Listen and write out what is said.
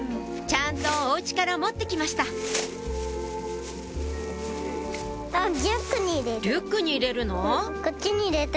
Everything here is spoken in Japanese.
ちゃんとお家から持って来ましたリュックに入れるの？